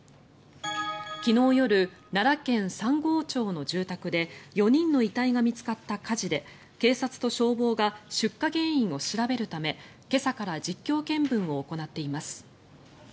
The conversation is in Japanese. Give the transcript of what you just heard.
昨日夜、奈良県三郷町の住宅で４人の遺体が見つかった火事で警察と消防が出火原因を調べるため、今朝から実況見分を行っています。